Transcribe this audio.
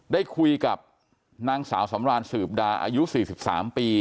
ได้คุยกับนางสาวสำรานสืบดาอายุ๔๓ปี